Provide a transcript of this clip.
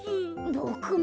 ボクも。